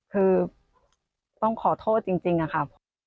คือต้องขอโทษจริงค่ะ